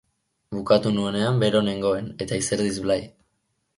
Bukatu nuenean bero nengoen, eta izerdiz blai.